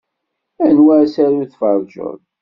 Anwa asaru tferrjeḍ?